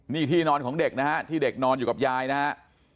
นี่ที่นอนของเด็กนะฮะที่เด็กนอนอยู่กับยายนะฮะ